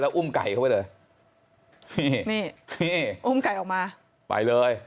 อุ้มไก่เข้าไปเลยนี่นี่อุ้มไก่ออกมาไปเลย